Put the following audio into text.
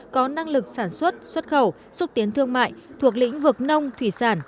có năng lực sản xuất xuất khẩu xúc tiến thương mại thuộc lĩnh vực nông thủy sản